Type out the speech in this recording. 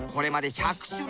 １００種類